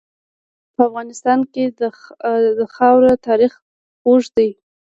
په افغانستان کې د خاوره تاریخ اوږد دی.